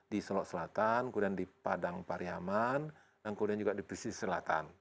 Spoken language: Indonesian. di selok selatan kemudian di padang pariaman dan kemudian juga di pesisir selatan